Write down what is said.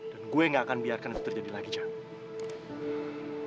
dan gue gak akan biarkan itu terjadi lagi jam